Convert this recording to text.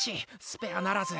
スペアならず！